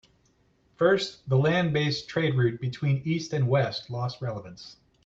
First, the land based trade route between east and west lost relevance.